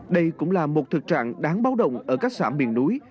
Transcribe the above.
đây cũng là một thực trạng đáng báo động ở các xã miền núi